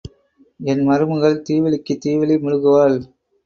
என் மருமகள் தீவிளிக்குத் தீவிளி முழுகுவாள்.